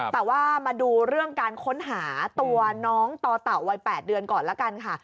แต่ว่ามาดูเรื่องการค้นหาตัวน้องต่อเต่าวัย๘เดือนก่อนละกันค่ะ